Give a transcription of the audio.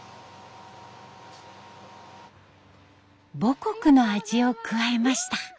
母国の味を加えました。